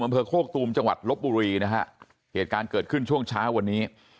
อำเภอโคกตูมจังหวัดลบบุรีนะฮะเหตุการณ์เกิดขึ้นช่วงเช้าวันนี้